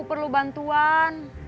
aku perlu bantuan